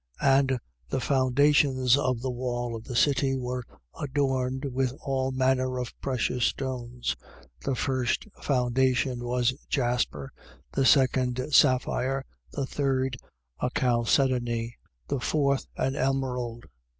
21:19. And the foundations of the wall of the city were adorned with all manner of precious stones. The first foundation was jasper: the second, sapphire: the third; a chalcedony: the fourth, an emerald: 21:20.